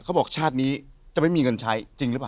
เขาบอกชาตินี้จะไม่มีเงินใช้จริงหรือเปล่า